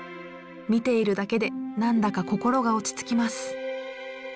見ているだけで何だか心が落ち着きます。